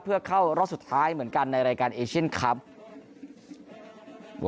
เพื่อเข้ารอบสุดท้ายเหมือนกันในรายการเอเชียนครับ